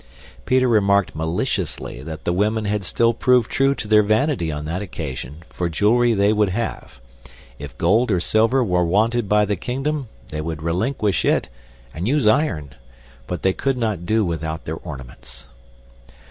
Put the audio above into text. Peter remarked maliciously that the women had still proved true to their vanity on that occasion, for jewelry they would have. If gold or silver were wanted by the kingdom, they would relinquish it and use iron, but they could not do without their ornaments.